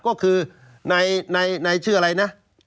ก็คือนายชื่ออะไรน่ะ